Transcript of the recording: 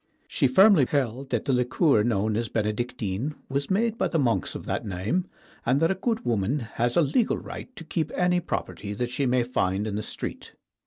She firmly held that the liqueur known as Benedictine was made by the monks of that name, and that a good woman has a legal right to keep any property that she may find in the street.